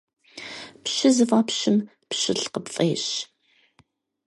Пщы зыфӀэпщым пщылӀ къыпфӀещ.